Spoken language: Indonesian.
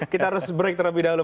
kita harus break terlebih dahulu